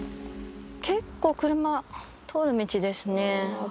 結構、車、通る道ですね。